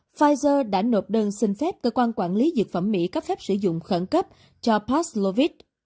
pfizer đã nộp đơn xin phép cơ quan quản lý dược phẩm mỹ cấp phép sử dụng khẩn cấp cho paslovit